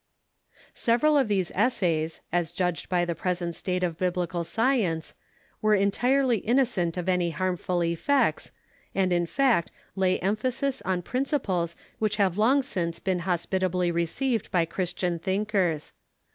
Several of these essays, as judged by the present state of Biblical science, are entirely innocent of any harmful effects, and in fact lay emphasis on principles which have long since been hos])itably received by Christian thinkers.